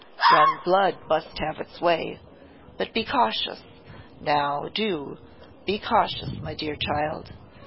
Young blood must have its way; but be cautious; now, do; be cautious, my dear child.